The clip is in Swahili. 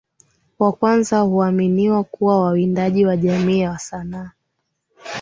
wa kwanza huaminiwa kuwa wawindaji wa jamii ya Wasani